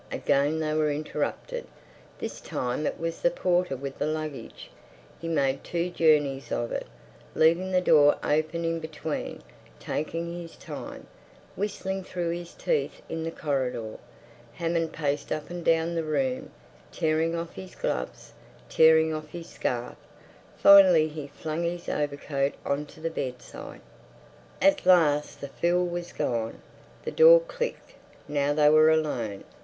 —again they were interrupted. This time it was the porter with the luggage. He made two journeys of it, leaving the door open in between, taking his time, whistling through his teeth in the corridor. Hammond paced up and down the room, tearing off his gloves, tearing off his scarf. Finally he flung his overcoat on to the bedside. At last the fool was gone. The door clicked. Now they were alone.